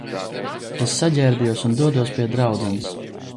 Es saģērbjos un dodos pie draudzenes.